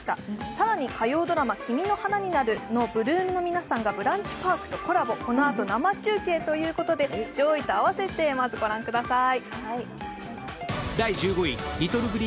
更に火曜ドラマ「君の花になる」の８ＬＯＯＭの皆さんがブランチパークとコラボ、この後真菜中継と言うことで上位と併せてご覧ください。